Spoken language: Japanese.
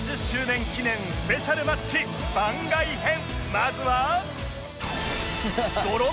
まずは